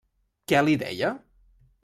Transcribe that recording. Què li deia?